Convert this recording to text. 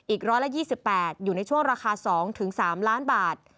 อีก๑๒๘อยู่ในช่วงราคา๒๓ล้านบาท